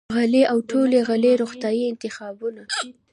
سبزۍ او ټولې غلې روغتیايي انتخابونه،